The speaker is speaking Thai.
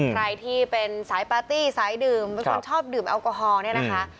ใครที่เป็นสายปาร์ตี้สายดื่มเป็นคนชอบดื่มแอลกอฮอลเนี่ยนะคะ